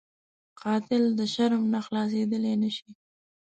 قاتل د شرم نه خلاصېدلی نه شي